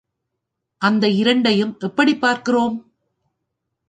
அந்த இரண்டையும் எப்படிப் பார்க்கிறோம்?